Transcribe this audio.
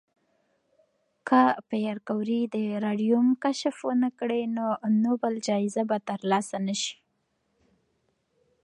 که پېیر کوري د راډیوم کشف ونکړي، نو نوبل جایزه به ترلاسه نه شي.